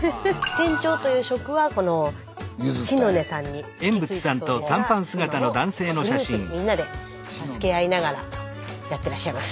店長という職はこの茅根さんに引き継いだそうですが今もグループでみんなで助け合いながらやってらっしゃいます。